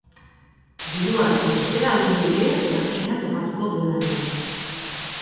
Dirua eta ospea agindu die hegazkina topatuko duenari.